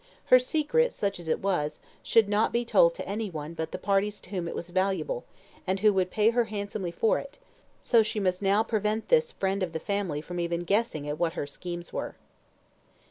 Her secret, such as it was, should not be told to any one but the parties to whom it was valuable, and who would pay her handsomely for it, so she must now prevent this friend of the family from even guessing at what her schemes were.